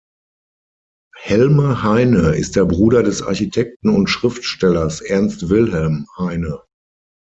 Helme Heine ist der Bruder des Architekten und Schriftstellers Ernst Wilhelm Heine.